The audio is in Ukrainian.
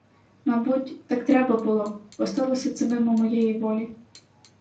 Мабуть, так треба було, бо сталося це мимо моєї волі.